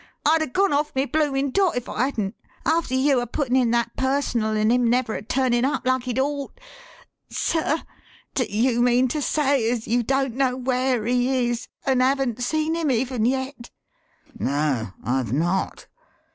I'd 'a' gone off me bloomin' dot if I hadn't after you a puttin' in that Personal and him never a turnin' up like he'd ort. Sir, do you mean to say as you don't know where he is, and haven't seen him even yet?" "No, I've not.